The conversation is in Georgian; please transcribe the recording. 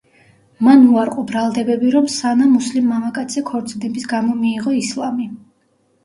მან უარყო ბრალდებები, რომ სანა მუსლიმ მამაკაცზე ქორწინების გამო მიიღო ისლამი.